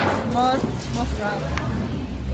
سمارټ موخې